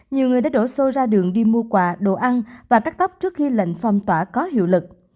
nhiều người đã đổ xô ra đường đi mua quà đồ ăn và cắt tóc trước khi lệnh phong tỏa có hiệu lực